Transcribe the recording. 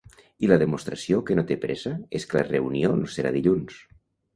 I la demostració que no té pressa és que la reunió no serà dilluns.